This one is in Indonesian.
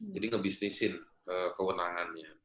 jadi ngebisnisin kewenangannya